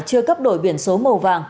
chưa cấp đổi biển số màu vàng